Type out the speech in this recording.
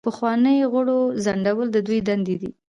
د پخوانیو غړو ځنډول د دوی دندې دي.